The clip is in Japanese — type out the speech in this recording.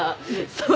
そう。